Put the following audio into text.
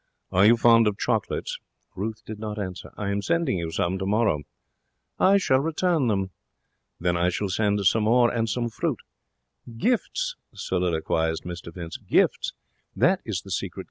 Are you fond of chocolates?' Ruth did not answer. 'I am sending you some tomorrow.' 'I shall return them.' 'Then I shall send some more, and some fruit. Gifts!' soliloquized Mr Vince. 'Gifts! That is the secret.